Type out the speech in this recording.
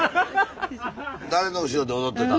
誰の後ろで踊ってたの？